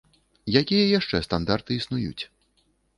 Якія яшчэ стандарты існуюць?